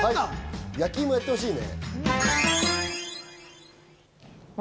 焼き芋やってほしいね。